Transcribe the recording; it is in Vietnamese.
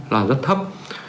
là rất thấp